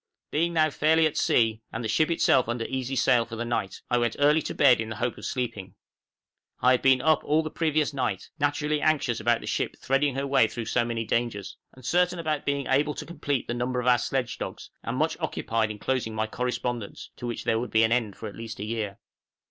Being now fairly at sea, and the ship under easy sail for the night, I went early to bed in the hope of sleeping. I had been up all the previous night, naturally anxious about the ship threading her way through so many dangers, uncertain about being able to complete the number of our sledge dogs, and much occupied in closing my correspondence, to which there would be an end for at least a year.